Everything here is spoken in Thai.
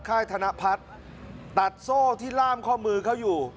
ค่ายธนพัฒน์ตัดโซ่ที่ล่ามข้อมือเขาอยู่